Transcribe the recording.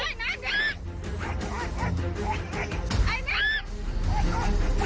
อย่าข้าวไปน้ำอย่า